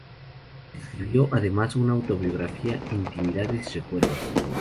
Escribió además una autobiografía, "Intimidades y recuerdos".